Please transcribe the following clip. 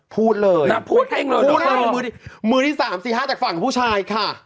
พูดเลยพูดเลยมือที่สามสี่ห้าจากฝั่งผู้ชายค่ะ